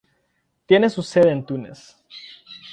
Tiene su sede en Túnez.